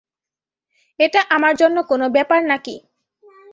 এটা আমার জন্য কোনো ব্যাপার নাকি।